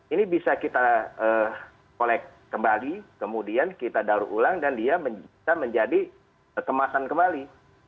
ini bisa kita kolek kembali kemudian kita daur ulang dan dia bisa menjadi kemasan kembali